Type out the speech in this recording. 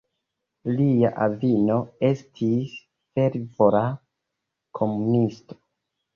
Lia avino estis fervora komunisto.